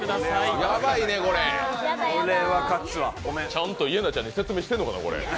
ちゃんとイェナちゃんに説明してんのかな、これ。